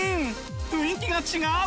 雰囲気が違う！